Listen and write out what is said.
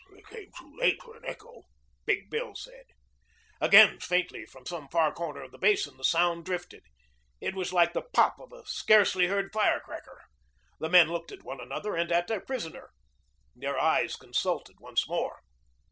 "Came too late for an echo," Big Bill said. Again faintly from some far corner of the basin the sound drifted. It was like the pop of a scarcely heard firecracker. The men looked at one another and at their prisoner. Their eyes consulted once more.